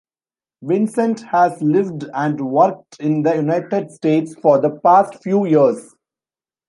Vincent has lived and worked in the United States for the past few years.